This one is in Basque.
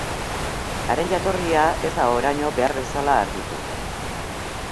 Haren jatorria ez da oraino behar bezala argitu.